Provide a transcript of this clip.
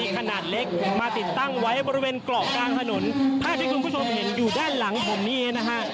กรอกกลางถนนถ้าที่คุณผู้ชมเห็นอยู่ด้านหลังผมนี้นะฮะ